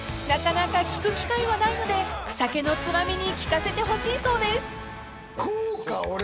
［なかなか聞く機会はないので酒のツマミに聞かせてほしいそうです］